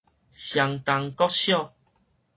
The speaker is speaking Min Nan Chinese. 雙冬國小